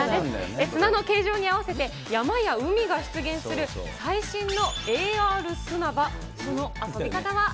砂の形状にあわせて山や海が出現する最新のＡＲ砂場、その遊び方は？